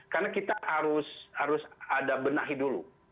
karena kita harus ada benahi dulu